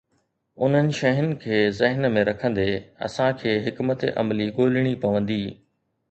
انهن شين کي ذهن ۾ رکندي، اسان کي حڪمت عملي ڳولڻي پوندي.